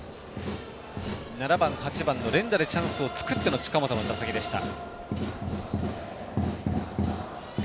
７番、８番の連打でチャンスを作っての近本の打席でした。